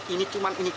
ini cuma untuk dia